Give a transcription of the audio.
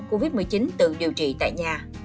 covid một mươi chín tự điều trị tại nhà